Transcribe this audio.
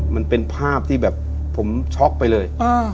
มันเป็นภาพที่แบบผมช็อกไปเลย